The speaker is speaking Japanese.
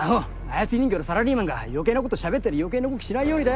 操り人形のサラリーマンが余計なことしゃべったり余計な動きしないようにだよ。